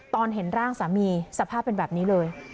ตอนเห็นร่างสามีสภาพเป็นแบบนี้เลย